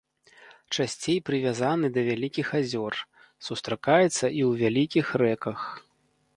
Часцей прывязаны да вялікіх азёр, сустракаецца і ў вялікіх рэках.